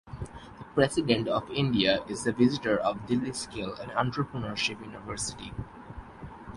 The President of India is the Visitor of the Delhi Skill and Entrepreneurship University.